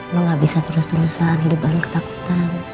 lo gak bisa terus terusan hidup banyak ketakutan